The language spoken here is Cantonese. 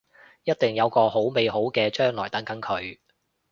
一定有個好美好嘅將來等緊佢